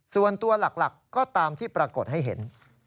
ส่วนตัวหลักก็ตามที่ปรากฏให้เห็น